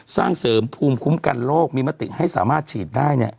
สร้างเสริมภูมิคุ้มกันโลกมีมติให้สามารถฉีดได้เนี่ย